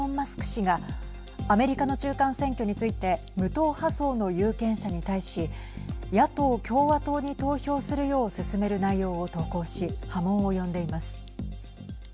氏がアメリカの中間選挙について無党派層の有権者に対し野党・共和党に投票するよう勧める内容を投稿し波紋を呼んでいます。